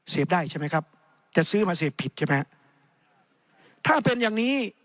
ได้ใช่ไหมครับจะซื้อมาเสพผิดใช่ไหมฮะถ้าเป็นอย่างนี้